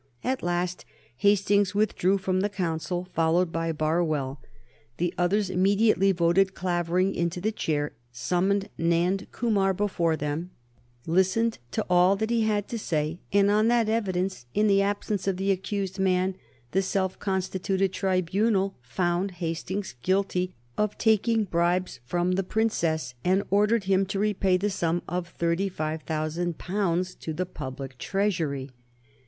At last Hastings withdrew from the Council, followed by Barwell. The others immediately voted Clavering into the chair, summoned Nand Kumar before them, listened to all that he had to say, and on that evidence, in the absence of the accused man, the self constituted tribunal found Hastings guilty of taking bribes from the princess, and ordered him to repay the sum of thirty five thousand pounds to the public treasury.